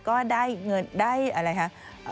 ก็ได้เงินได้อะไรคะ